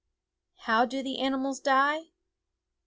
How do the animals die